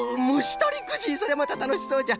そりゃまたたのしそうじゃ。